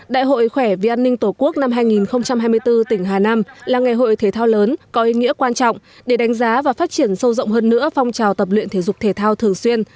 đại hội khỏe vì an ninh tổ quốc năm hai nghìn hai mươi bốn tỉnh hà nam là ngày hội thể thao lớn có ý nghĩa quan trọng để đánh giá và phát triển sâu rộng hơn nữa phong trào tập luyện thể dục thể thao thường xuyên